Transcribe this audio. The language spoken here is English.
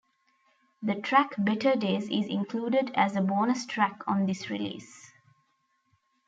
The track 'Better Days' is included as a bonus track on this release.